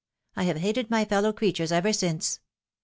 I have hated my fellow creatures ever since."